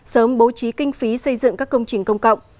sớm bố trí kinh phí xây dựng các công trình công cộng